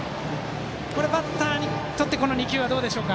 バッターにとって今の２球はどうでしょう。